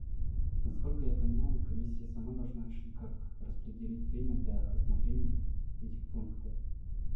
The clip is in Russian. Насколько я понимаю, Комиссия сама должна решить, как распределить время для рассмотрения этих пунктов.